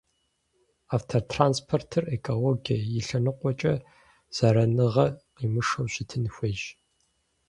Автотранспортыр экологие и лъэныкъуэкӀэ зэраныгъэ къимышэу щытын хуейщ.